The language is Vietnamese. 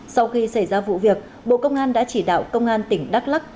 sau khi xảy ra vụ việc bộ công an đã chỉ đạo công an tỉnh đắk lắc